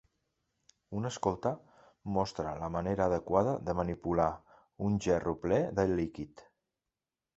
Un escolta mostra la manera adequada de manipular un gerro ple de líquid.